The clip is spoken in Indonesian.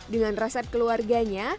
dengan resep keluarganya